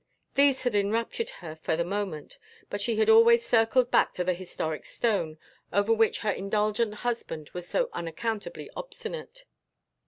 These had enraptured her for the moment, but she had always circled back to the historic stone, over which her indulgent husband was so unaccountably obstinate.